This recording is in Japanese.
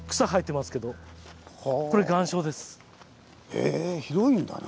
へえ広いんだね。